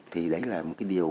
thì đấy là một điều